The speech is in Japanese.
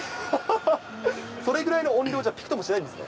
それぐらいの音量じゃびくともしないんですか？